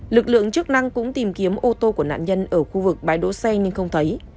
lực lượng chức năng cũng tìm kiếm ô tô của nạn nhân ở khu vực bãi đỗ xe nhưng không thấy